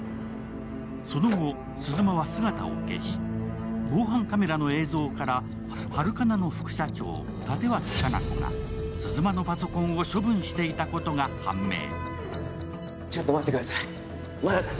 その後、鈴間は姿を消し防犯カメラの映像からハルカナの副社長・立脇香菜子が鈴間のパソコンを処分していたことが判明。